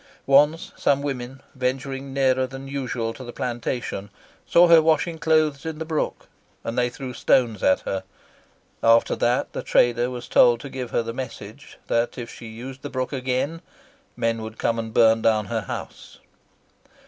Once some women, venturing nearer than usual to the plantation, saw her washing clothes in the brook, and they threw stones at her. After that the trader was told to give her the message that if she used the brook again men would come and burn down her house."